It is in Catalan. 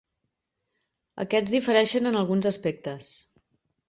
Aquests difereixen en alguns aspectes.